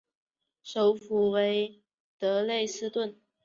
首府为德累斯顿。